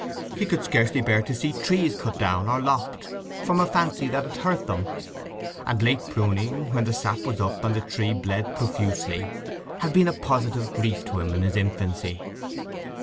He could scarcely bear to see trees cut down or lopped, from a fancy that it hurt them; and late pruning, when the sap was up and the tree bled profusely, had been a positive grief to him in his infancy.